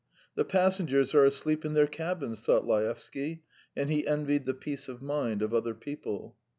"The passengers are asleep in their cabins ..." thought Laevsky, and he envied the peace of mind of other people.